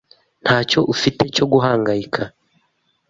Ntacyo ufite cyo guhangayika.